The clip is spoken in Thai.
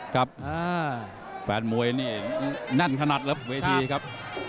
ครับแฟนมวยเนี่ยนั่นขนาดครับกับเวทีครับ